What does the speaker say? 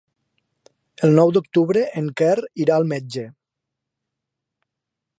El nou d'octubre en Quer irà al metge.